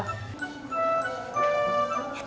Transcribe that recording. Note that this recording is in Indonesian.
mau belanja ke pasar